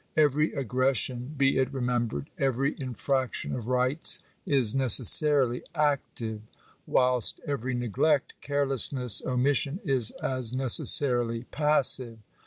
Every aggression, be it remembered — every infraction of rights,] is necessarily active; whilst every neglect, carelessness, omis l sion, is as necessarily passive.